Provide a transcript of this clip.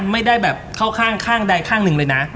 ไม่ได้แบบเข้าข้างข้างใดข้างหนึ่งเลยนะ